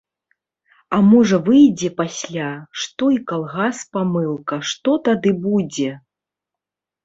А можа выйдзе пасля, што і калгас памылка, што тады будзе?